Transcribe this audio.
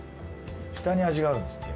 下に味があるんですって。